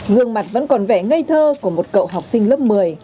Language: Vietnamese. gương mặt vẫn còn vẻ ngây thơ của một cậu học sinh lớp một mươi